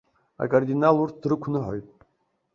Акардинал урҭ дрықәныҳәоит.